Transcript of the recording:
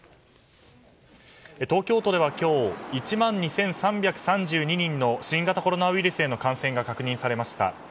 東京都では今日１万２３３２人の新型コロナウイルスへの感染が確認されました。